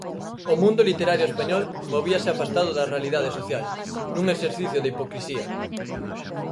O mundo literario español movíase afastado da realidade social, nun exercicio de hipocrisía.